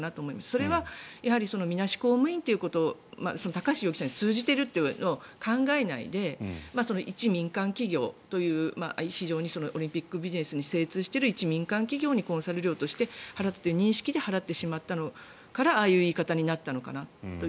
それはみなし公務員ということ高橋容疑者に通じてるって考えないで一民間企業という非常にオリンピックビジネスに精通している一民間企業にコンサル料として払ったという認識で払ってしまったからああいう言い方になったのかなと。